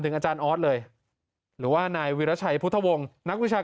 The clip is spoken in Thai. อาจารย์ออสเลยหรือว่านายวิราชัยพุทธวงศ์นักวิชา